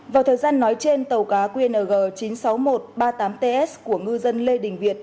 vào thời gian nói trên tàu cá qng chín mươi sáu nghìn một trăm ba mươi tám ts của ngư dân lê đình việt